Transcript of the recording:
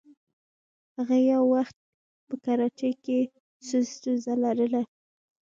هغې یو وخت په کراچۍ کې څه ستونزه لرله.